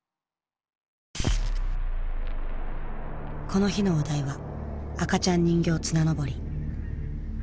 この日のお題は「赤ちゃん人形綱登り」。